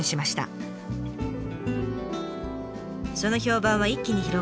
その評判は一気に広がり